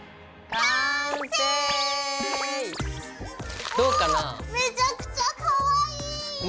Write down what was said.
おめちゃくちゃかわいい。ね。